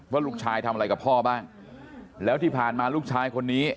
ว่าลูกชายทำอะไรกับพ่อบ้างแล้วที่ผ่านมาลูกชายคนนี้